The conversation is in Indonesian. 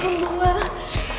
pergi ke orang s crust